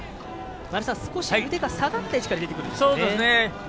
少し腕が下がった位置から出てくるんですね。